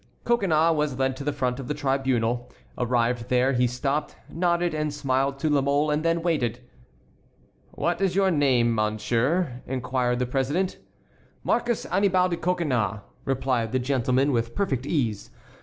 Coconnas was led to the front of the tribunal. Arrived there, he stopped, nodded and smiled to La Mole, and then waited. "What is your name, monsieur?" inquired the president. "Marcus Annibal de Coconnas," replied the gentleman with perfect ease.